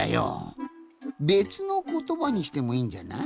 べつのことばにしてもいいんじゃない？